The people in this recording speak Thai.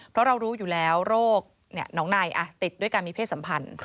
เพราะเรารู้อยู่แล้วโรคหนองในติดด้วยการมีเพศสัมพันธ์